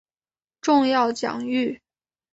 重要奖誉